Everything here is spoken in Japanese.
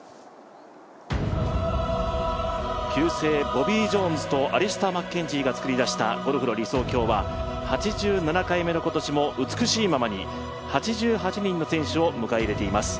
球聖ボビー・ジョーンズとアリスター・マッケンジーが作り出したゴルフの理想郷は８７回目の今年も、美しいままに８８人の選手を迎え入れています。